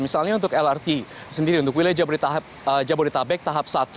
misalnya untuk lrt sendiri untuk wilayah jabodetabek tahap satu